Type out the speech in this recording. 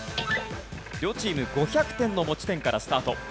両チーム５００点の持ち点からスタート。